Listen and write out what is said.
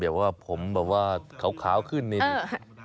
เพราะว่าผมแบบว่าขาวขึ้นนิดหนึ่ง